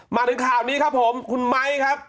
มาถึงข่าวนี้ครับผมคุณไม้ครับ